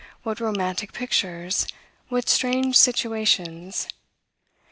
what romantic pictures! what strange situations!